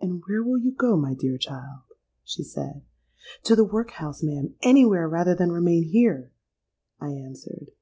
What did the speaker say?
'—'And where will you go, my dear child?' she said.—'To the workhouse, ma'am: anywhere, rather than remain here!' I answered.